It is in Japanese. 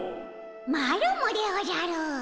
マロもでおじゃる。